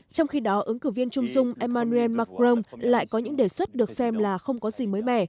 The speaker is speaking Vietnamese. trong khi đó ứng cử viên trung dung emmanuel macron lại có những đề xuất được xem là không có gì mới mẻ